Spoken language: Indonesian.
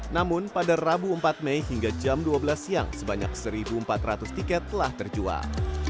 namun pada rabu empat mei hingga jam dua belas siang sebanyak satu empat ratus tiket telah terjual